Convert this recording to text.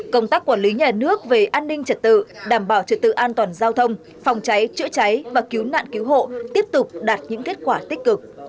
công tác quản lý nhà nước về an ninh trật tự đảm bảo trật tự an toàn giao thông phòng cháy chữa cháy và cứu nạn cứu hộ tiếp tục đạt những kết quả tích cực